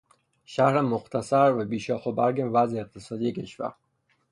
شرح مختصر و بی شاخ و برگ وضع اقتصادی کشور